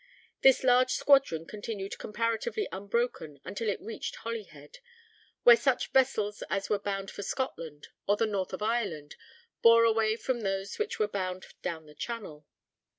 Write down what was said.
This large squadron continued comparatively unbroken until it reached Holyhead, where such vessels as were bound for Scotland, or the north of Ireland, bore away from those which were bound down the channel.